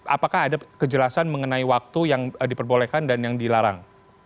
apakah ada kejelasan mengenai waktu yang diperbolehkan dan yang dilarang